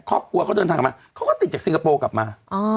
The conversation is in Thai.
ครอบครัวเขาเดินทางกลับมาเขาก็ติดจากสิงคโปร์กลับมา